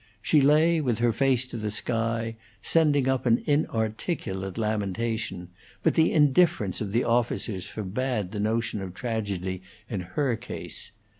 She lay with her face to the sky, sending up an inarticulate lamentation; but the indifference of the officers forbade the notion of tragedy in her case.